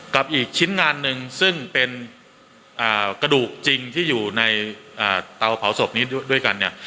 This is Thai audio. กับอีกชิ้นงานหนึ่งซึ่งเป็นกระดูกจริงที่อยู่ในเตาเผาศพนี้ด้วยกันเนี่ย